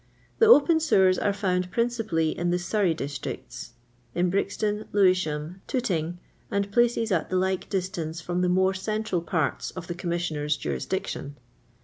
The open sewers are found principally in tlie> Surrey districts, in Brixton, Lcwisham, Tooting, and places at the like distance from the m tre ci>ntral parts of the Commissioners* juriadictiozi.